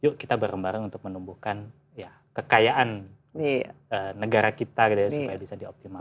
yuk kita bareng bareng untuk menumbuhkan kekayaan negara kita gitu ya supaya bisa dioptimalkan